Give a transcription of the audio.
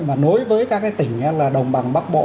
mà nối với các tỉnh là đồng bằng bắc bộ